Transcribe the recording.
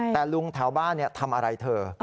แต่ลุงแถวบ้านทำอะไรเธอ